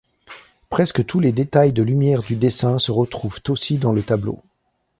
Presque tous les détails de lumière du dessin se retrouvent aussi dans le tableau.